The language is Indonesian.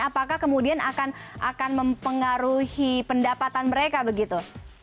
apakah kemudian akan mempengaruhi pendapatan mereka begitu